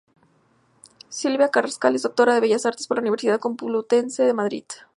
Silvia Carrascal es Doctora en Bellas Artes por la Universidad Complutense de Madrid.